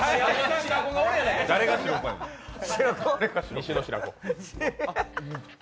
西の白子。